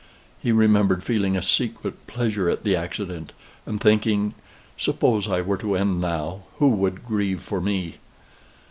He remembered feeling a secret pleasure at the accident and thinking, "Suppose I were to end now, who would grieve for me?"